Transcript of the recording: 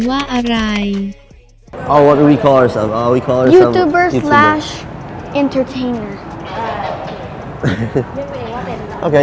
ขนาดนี้คุณทำวัคซึนที่ด้านคน